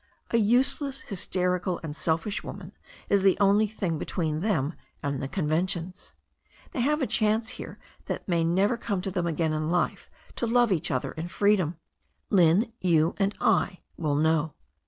A useless, hysterical and selfish woman is the only thing between them and the conventions. They have a chance here that may never come to them again in life to love each other in freedom. Lynne, you and I will know.